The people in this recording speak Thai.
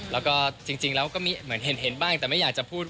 แล้วก็จริงแล้วก็เหมือนเห็นบ้างแต่ไม่อยากจะพูด